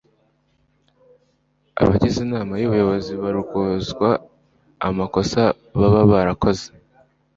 abagize inama y'ubuyobozi baryozwa amakosa baba barakoze